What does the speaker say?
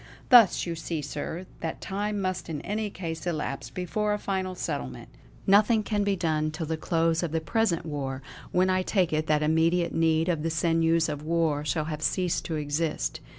Thus you see, sir, that time must in any case elapse before a final settlement. Nothing can be done till the close of the present war, when I take it that immediate need of the sinews of war shall have ceased to exist.